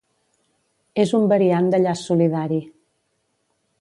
És un variant de llaç solidari.